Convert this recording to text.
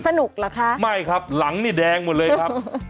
เหรอคะไม่ครับหลังนี่แดงหมดเลยครับ